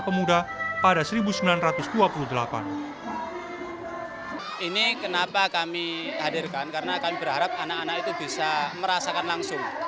pemuda pada seribu sembilan ratus dua puluh delapan ini kenapa kami hadirkan karena kami berharap anak anak itu bisa merasakan langsung